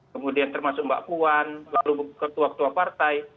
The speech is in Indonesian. kemudian termasuk mbak kuan ketua ketua partai